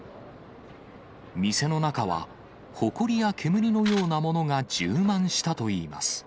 店の中はほこりや煙のようなものが充満したといいます。